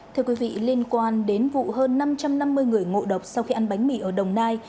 thưa quý vị liên quan đến vụ hơn năm trăm năm mươi người ngộ độc sau khi ăn bánh mì ở đồng nai